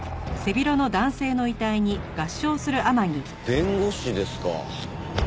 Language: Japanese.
弁護士ですか。